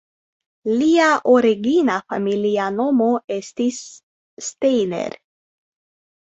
Lia origina familia nomo estis "Steiner".